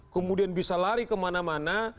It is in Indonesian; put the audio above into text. kemudian bisa lari kemana mana